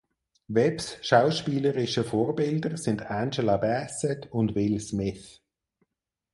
Webbs schauspielerische Vorbilder sind Angela Bassett und Will Smith.